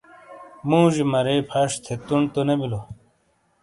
موڙی مرے پھش تھے ٹونڈ تو نے بیلو؟